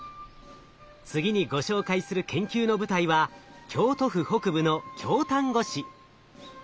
次にご紹介する研究の舞台は京都府北部の京丹後市。